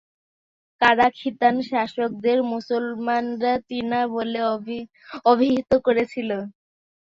কারা-খিতান শাসকদের মুসলমানরা "চীনা" বলে অভিহিত করেছিল।